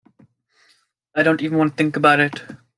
I don't want to even think about it.